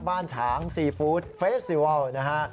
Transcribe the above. บ้านฉางซีฟู้ดเฟสติวัลนะฮะ